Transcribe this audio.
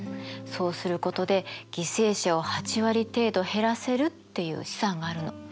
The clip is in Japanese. そうすることで犠牲者を８割程度減らせるっていう試算があるの。